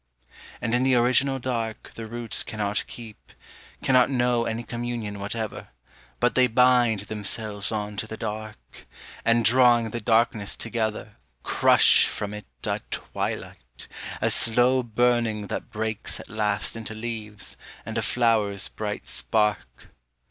And in the original dark the roots cannot keep, cannot know Any communion whatever, but they bind themselves on to the dark, And drawing the darkness together, crush from it a twilight, a slow Burning that breaks at last into leaves and a flower's bright spark.